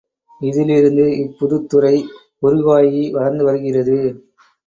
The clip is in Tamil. இதிலிருந்து இப்புதுத்துறை உருவாகி வளர்ந்து வருகிறது.